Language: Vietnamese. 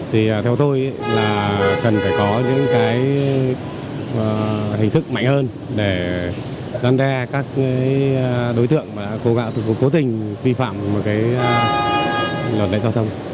thì theo tôi là cần phải có những cái hình thức mạnh hơn để gian đe các đối tượng cố tình vi phạm một cái luật lệnh giao thông